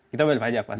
kita bayar pajak pasti